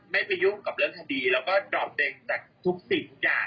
บางทีคนไม่เข้าใจคนก็ผิดความว่าเราเอาแสงนี้มาหากิน